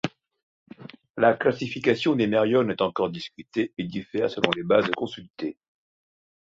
La classification des mériones est encore discutée et diffère selon les bases consultées.